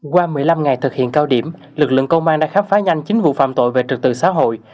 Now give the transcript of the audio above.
qua một mươi năm ngày thực hiện cao điểm lực lượng công an đã khám phá nhanh chính vụ phạm tội về trực tự xã hội